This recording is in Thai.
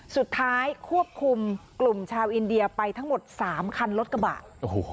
สุดท้ายควบคุมกลุ่มชาวอินเดียไปทั้งหมดสามคันรถกระบะโอ้โห